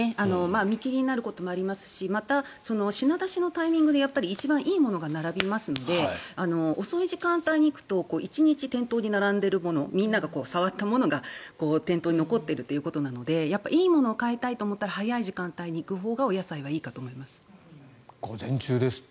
見切りになることもありますしまた、品出しのタイミングで一番いいものが並びますので遅い時間帯に行くと１日店頭に並んでいるものみんなが触ったものが店頭に残っているということなのでやっぱりいいものを買いたいと思ったら早い時間に行くほうが午前中ですって。